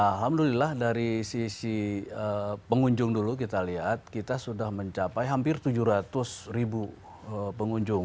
alhamdulillah dari sisi pengunjung dulu kita lihat kita sudah mencapai hampir tujuh ratus ribu pengunjung